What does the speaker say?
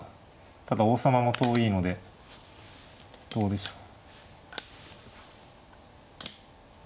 ただ王様も遠いのでどうでしょう。